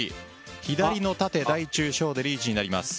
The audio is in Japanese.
左の縦、大・中・小でリーチになります。